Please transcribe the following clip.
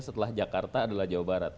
setelah jakarta adalah jawa barat